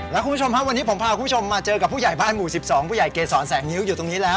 แล้วคุณผู้ชมครับวันนี้ผมพาคุณผู้ชมมาเจอกับผู้ใหญ่บ้านหมู่๑๒ผู้ใหญ่เกษรแสงนิ้วอยู่ตรงนี้แล้ว